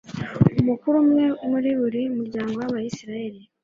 umukuru umwe muri buri muryango w'abayisraheli